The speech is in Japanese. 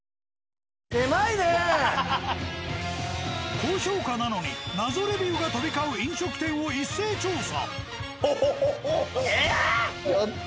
高評価なのに謎レビューが飛び交う飲食店を一斉調査。